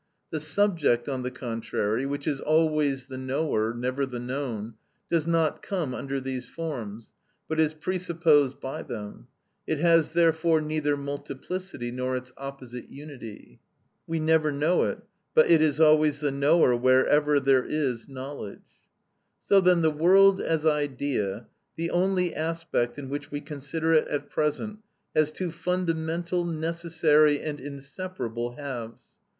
The subject, on the contrary, which is always the knower, never the known, does not come under these forms, but is presupposed by them; it has therefore neither multiplicity nor its opposite unity. We never know it, but it is always the knower wherever there is knowledge. So then the world as idea, the only aspect in which we consider it at present, has two fundamental, necessary, and inseparable halves.